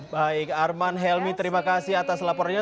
baik arman helmi terima kasih atas laporannya